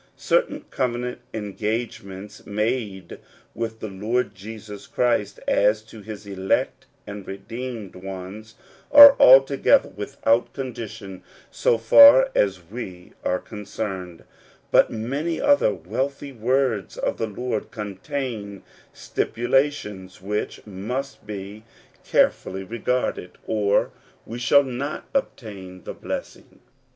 Certain covenant engagements, made with the Lord Jesus Christ, as to his elect and redeemed ones, are altogether without condition so far as we are concerned ; but many other wealthy words of the Lord contain stipulations which must be care fully regarded, or we shall not obtain the blessing.